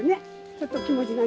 ちょっと気持ちがね